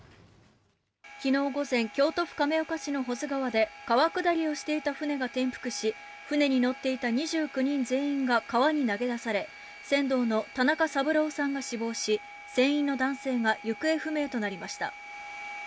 昨日午前京都府亀岡市の保津川で川下りをしていた船が転覆し船に乗っていた２９人全員が川に投げ出され船頭の田中三郎さんが死亡し船員の男性が行方不明となりました。